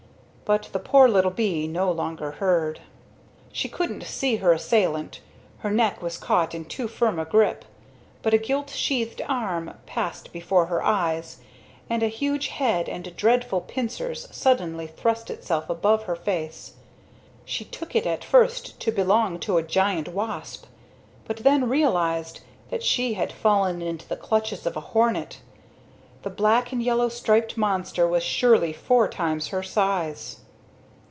But the poor little bee no longer heard. She couldn't see her assailant, her neck was caught in too firm a grip, but a gilt sheathed arm passed before her eyes, and a huge head with dreadful pincers suddenly thrust itself above her face. She took it at first to belong to a gigantic wasp, but then realized that she had fallen into the clutches of a hornet. The black and yellow striped monster was surely four times her size.